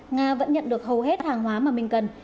nga vẫn nhận được hầu hết hàng hóa mà mình cần